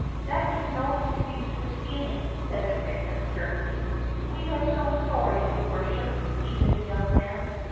"That is no excuse for stealing!" said the Princess sternly. "We are so sorry, your Worship!" pleaded the young man.